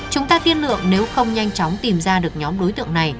chúng ta tiên lượng nếu không nhanh chóng tìm ra được nhóm đối tượng này